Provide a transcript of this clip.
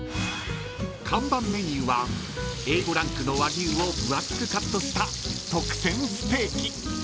［看板メニューはＡ５ランクの和牛を分厚くカットした特撰ステーキ］